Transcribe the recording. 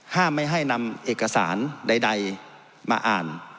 ไม่ให้นำเอกสารใดมาอ่าน